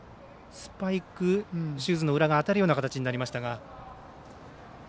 スパイク、シューズの裏が当たるような感じでしたが。